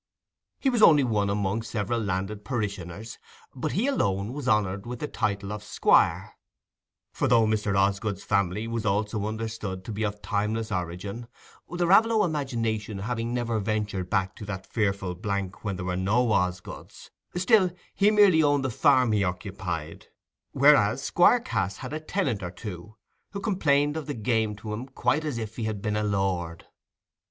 He was only one among several landed parishioners, but he alone was honoured with the title of Squire; for though Mr. Osgood's family was also understood to be of timeless origin—the Raveloe imagination having never ventured back to that fearful blank when there were no Osgoods—still, he merely owned the farm he occupied; whereas Squire Cass had a tenant or two, who complained of the game to him quite as if he had been a lord.